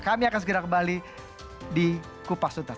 kami akan segera kembali di kupas tuntas